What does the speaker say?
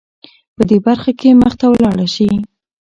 په دې برخه کې مخته ولاړه شې .